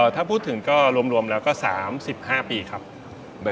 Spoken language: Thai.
ถ้าพูดถึงก็รวมแล้วก็๓๕ปีครับ